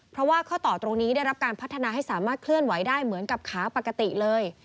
เพราะว่าข้อต่อตรงนี้ได้รับการพัฒนาให้สามารถเคลื่อนไหวได้เหมือนกับขาปกติเลย